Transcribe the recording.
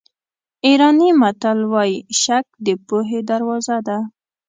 ایراني متل وایي شک د پوهې دروازه ده.